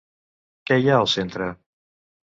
Què hi ha al centre?